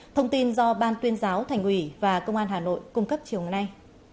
thông tin do ban tuyên giáo thành ủy và công an hà nội cung cấp chiều nay